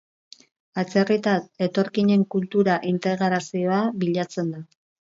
Atzerritar etorkinen kultura integrazioa bilatzen da.